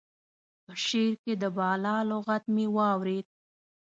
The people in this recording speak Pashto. په شعر کې د بالا لغت مې واورېد.